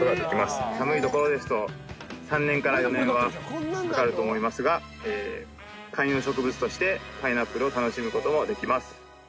寒い所ですと３年から４年はかかると思いますが観葉植物としてパイナップルを楽しむ事もできます。